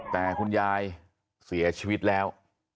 แต่คุณยายเสียชีวิตแล้ว